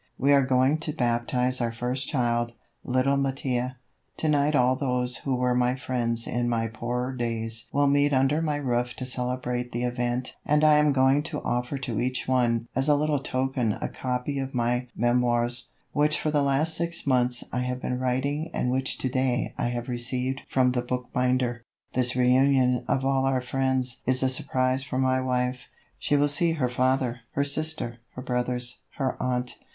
We are going to baptize our first child, little Mattia. To night all those who were my friends in my poorer days will meet under my roof to celebrate the event and I am going to offer to each one as a little token a copy of my "Memoirs," which for the last six months I have been writing and which to day I have received from the bookbinder. This reunion of all our friends is a surprise for my wife; she will see her father, her sister, her brothers, her aunt.